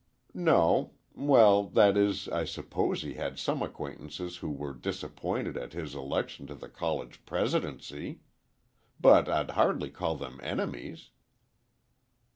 "No; well, that is, I suppose he had some acquaintances who were disappointed at his election to the College Presidency. But I'd hardly call them enemies."